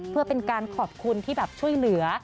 เพื่อเป็นการขอบคุณที่แบบช่วยเหลือ